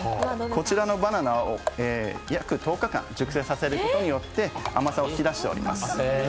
こちらのバナナを約１０日間、熟成させることによって甘さを引き出しております。